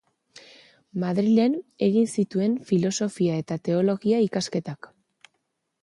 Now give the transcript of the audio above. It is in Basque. Madrilen egin zituen filosofia eta teologia ikasketak.